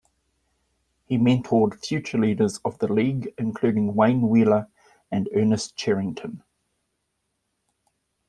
He mentored future leaders of the league, including Wayne Wheeler and Ernest Cherrington.